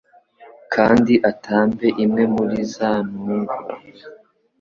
Kandi atambe imwe muri za ntungura